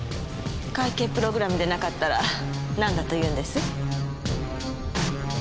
会計プログラムでなかったら何だと言うんです？